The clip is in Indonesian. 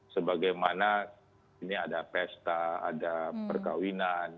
sebagaimana ini ada pesta ada perkawinan